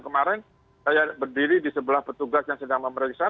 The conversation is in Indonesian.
kemarin saya berdiri di sebelah petugas yang sedang memeriksa